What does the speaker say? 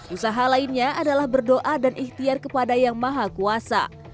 usaha lainnya adalah berdoa dan ikhtiar kepada yang maha kuasa